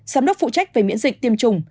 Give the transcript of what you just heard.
sám đốc phụ trách về miễn dịch tiêm chủng